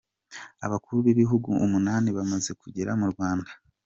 Abakuru b’Ibihugu umunani bamaze kugera mu Rwanda.